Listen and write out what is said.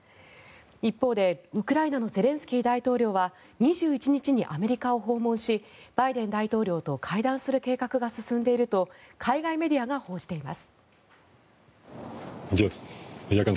一方で、ウクライナのゼレンスキー大統領は２１日にアメリカを訪問しバイデン大統領と会談する計画が進んでいると海外メディアが報じています。